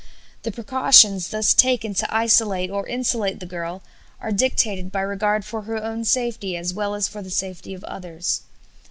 The precautions thus taken to isolate or insulate the girl are dictated by regard for her own safety as well as for the safety of others....